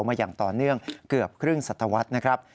มาอย่างต่อเนื่องเกือบครึ่งสัตวรรษนะครับ